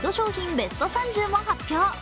ベスト３０も発表。